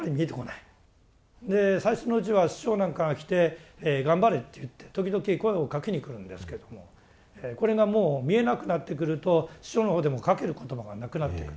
で最初のうちは師匠なんかが来て頑張れって言って時々声をかけに来るんですけどもこれがもう見えなくなってくると師匠のほうでもかける言葉がなくなってくる。